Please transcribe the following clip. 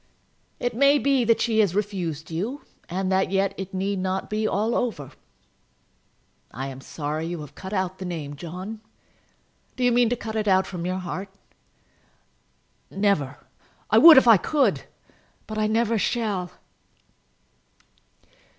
"] "It may be that she has refused you, and that yet it need not be all over. I am sorry that you have cut out the name, John. Do you mean to cut it out from your heart?" "Never. I would if I could, but I never shall."